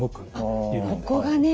ここがね